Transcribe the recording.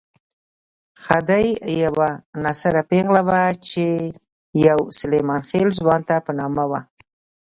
خدۍ یوه ناصره پېغله وه چې يو سلیمان خېل ځوان ته په نامه وه.